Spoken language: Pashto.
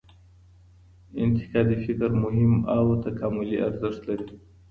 انتقادي فکر مهم او تکاملي ارزښت لري.